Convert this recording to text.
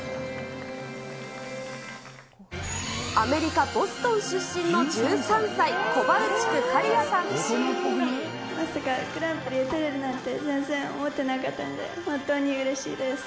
アメリカ・ボストン出身の１３歳、まさかグランプリが取れるなんて、全然思ってなかったので、本当にうれしいです。